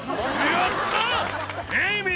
やったー！